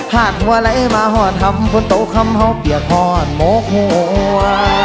หากหัวไหลมาห่อทำบนโต๊ะคำเห่าเปียกอ่อนโมกหัว